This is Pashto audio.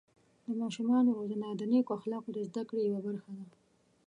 د ماشومانو روزنه د نیکو اخلاقو د زده کړې یوه برخه ده.